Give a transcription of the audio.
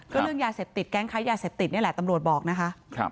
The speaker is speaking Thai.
ก็เรื่องยาเสพติดแก๊งค้ายาเสพติดนี่แหละตำรวจบอกนะคะ